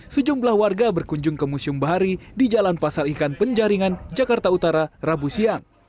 sejumlah warga berkunjung ke museum bahari di jalan pasar ikan penjaringan jakarta utara rabu siang